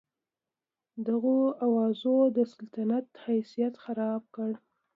دغو اوازو د سلطنت حیثیت خراب کړ.